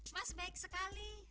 mas baik sekali